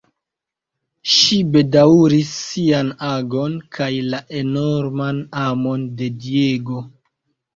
Ŝi bedaŭris sian agon kaj la enorman amon de Diego.